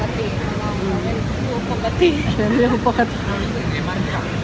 มาตลองเป็นครูโปรกตี